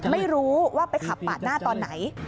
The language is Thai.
ไม่รู้ว่าไปขับปาดหน้าตอนไหน